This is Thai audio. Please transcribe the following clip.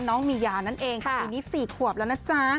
น้องมียานั่นเองค่ะปีนี้๔ขวบแล้วนะจ๊ะ